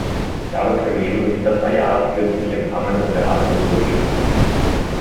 Ich habe Premierminister Fayyad kürzlich empfangen, und wir haben darüber gesprochen.